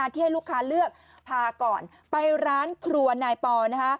ที่ให้ลูกค้าเลือกพาก่อนไปร้านครัวนายปอนะคะ